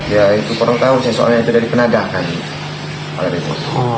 ya itu orang tahu sih soalnya itu dari penadah kan alatnya itu